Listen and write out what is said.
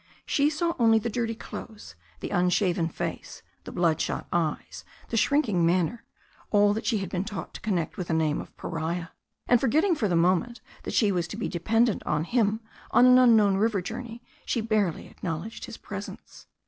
She saw only the dirty clothes, the unshaven face, the blood shot eyes, the shrinking manner, all that she had been taught to connect with the name of pariah ; and, forgetting for the moment that she was to be dependent on him on an un known river journey, she barely acknowledged his presence.